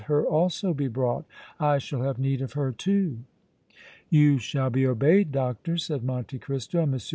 Let her also be brought! I shall have need of her too!" "You shall be obeyed, Doctor," said Monte Cristo, and M.